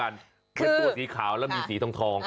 เป็นตัวสีขาวแล้วมีสีทอง